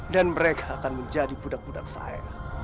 dan mereka akan menjadi budak budak saya